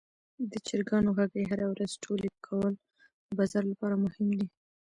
د چرګانو هګۍ هره ورځ ټولې کول د بازار لپاره مهم دي.